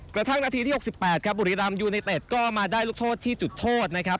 นาทีที่๖๘ครับบุรีรำยูไนเต็ดก็มาได้ลูกโทษที่จุดโทษนะครับ